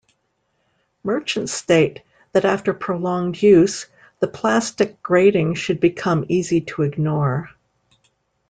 Merchants state that after prolonged use, the plastic grating should become easy to ignore.